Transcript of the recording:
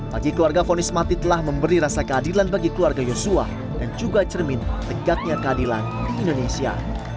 bagi keluarga fonis mati telah memberi rasa keadilan bagi keluarga yosua dan juga cermin tegaknya keadilan di indonesia